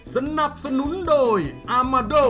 สนับสนุนโดยอามาโด